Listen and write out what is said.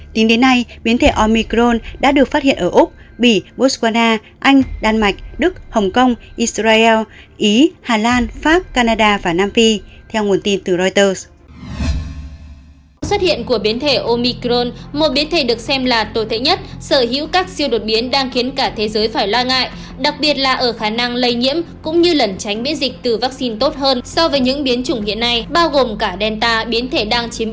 tính đến nay biến thể omicron đã được phát hiện ở úc bỉ botswana anh đan mạch đức hồng kông israel ý hà lan pháp canada và nam phi